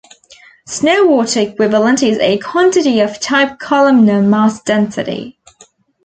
Snow water equivalent is a quantity of type columnar mass density.